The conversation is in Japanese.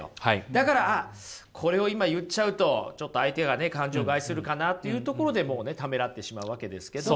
だからあっこれを今言っちゃうとちょっと相手が感情を害するかなというところでもうねためらってしまうわけですけど。